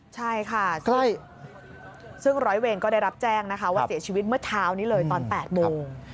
ใช่ค่ะซึ่งร้อยเวรก็ได้รับแจ้งนะคะว่าเสียชีวิตเมื่อเช้านี้เลยตอน๘โมง